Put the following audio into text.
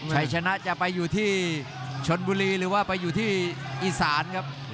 ชัยชนะจะไปอยู่ที่ชนบุรีหรือว่าไปอยู่ที่อีสานครับ